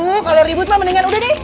duh kalau ribut mah mendingan udah deh